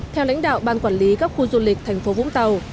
theo lãnh đạo ban quản lý các khu du lịch thành phố vũng tàu